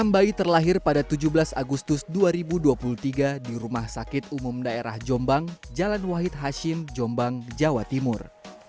enam bayi terlahir pada tujuh belas agustus dua ribu dua puluh tiga di rumah sakit umum daerah jombang jalan wahid hashim jombang jawa timur